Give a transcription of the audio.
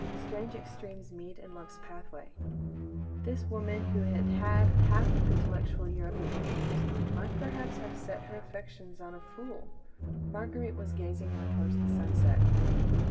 Strange extremes meet in love's pathway: this woman, who had had half intellectual Europe at her feet, might perhaps have set her affections on a fool. Marguerite was gazing out towards the sunset.